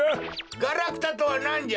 ガラクタとはなんじゃ！